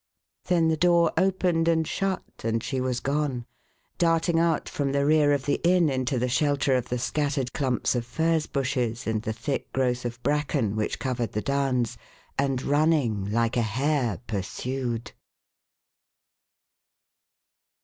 Then the door opened and shut and she was gone, darting out from the rear of the inn into the shelter of the scattered clumps of furze bushes and the thick growth of bracken which covered the downs, and running like a hare pursued.